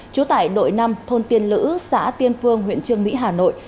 chú tải đội năm thôn tiên lữ xã tiên phương huyện trương mỹ hà nội